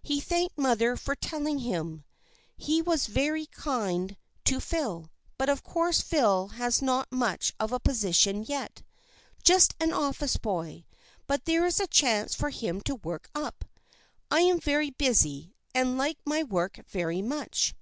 He thanked mother for telling him. He is very kind to Phil, but of course Phil has not much of a position yet. Just an office boy, but there is a chance for him to work up. I am very busy, and like my work very much.